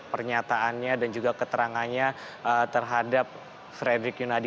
pernyataannya dan juga keterangannya terhadap fredrich